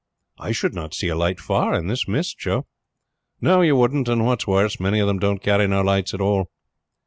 "I should not see a light far in this mist, Joe." "No, you couldn't; and what's worse, many of them don't carry no lights at all."